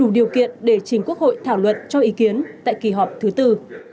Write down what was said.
để chính quốc hội thảo luật cho ý kiến tại kỳ họp thứ tư